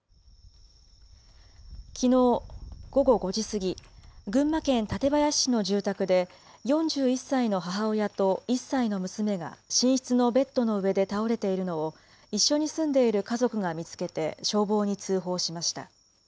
きのう午後５時過ぎ、群馬県館林市の住宅で、４１歳の母親と１歳の娘が寝室のベッドの上で倒れているのを、一緒に住んでいる家族が見つけて消防に通報しました。